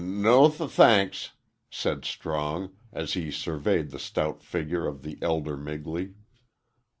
"N no th thanks," said Strong, as he surveyed the stout figure of the elder Migley.